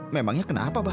memangnya kenapa bah